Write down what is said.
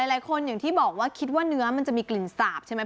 หลายคนอย่างที่บอกว่าคิดว่าเนื้อมันจะมีกลิ่นสาบใช่ไหม